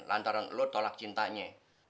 lantaran lu tolak cintanya